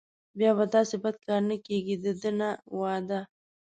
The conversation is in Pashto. بیا به داسې بد کار نه کېږي دده نه وعده.